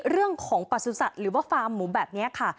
เรื่องของประสุทธิ์หรือว่าฟาร์มหมูแบบนี้ค่ะ